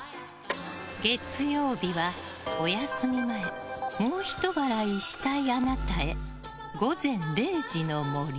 月曜日は、お休み前もうひと笑いしたいあなたへ。